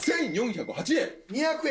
１４０８円。